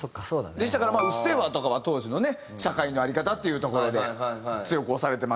でしたから『うっせぇわ』とかは当時のね社会の在り方っていうところで強く推されてました。